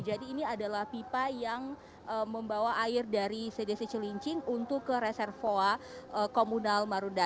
jadi ini adalah pipa yang membawa air dari cdc chilincing untuk ke reservoir komunal marunda